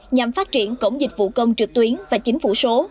nhằm phát triển cổng dịch vụ công trực tuyến và chính phủ số